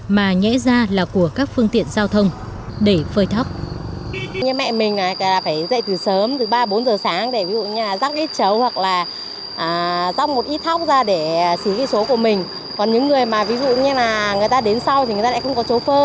mà nhẹ ra là của các phương tiện giao thông để phơi thóc